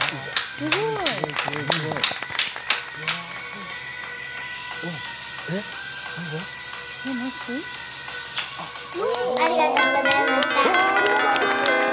すごい！ありがとうございました。